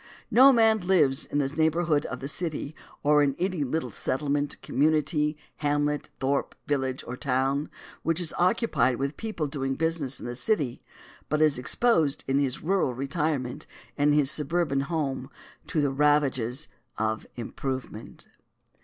No man who lives in the neighborhood of the city, or in any little settlement, community, hamlet, thorp, village, or town which is occupied with people doing business in the city, but is exposed in his rural retirement, in his suburban home, to the ravages of improvement.